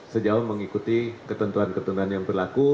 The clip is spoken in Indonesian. sejauh mengikuti ketentuan ketentuan yang berlaku